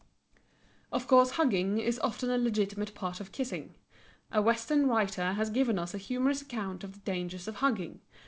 Of course hugging is often a legitimate part of kissing. A Western writer has given us a humorous account of the dangers of hugging.